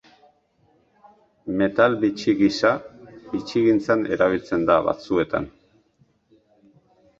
Metal bitxi gisa, bitxigintzan erabiltzen da batzuetan.